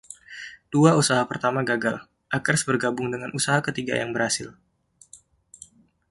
Dua usaha pertama gagal; Akers bergabung dengan usaha ketiga yang berhasil.